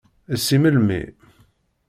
Si melmi.